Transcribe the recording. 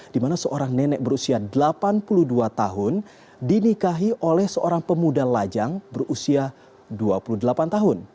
di mana seorang nenek berusia delapan puluh dua tahun dinikahi oleh seorang pemuda lajang berusia dua puluh delapan tahun